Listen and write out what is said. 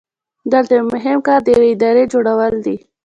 دلته یو مهم کار د یوې ادارې جوړول دي.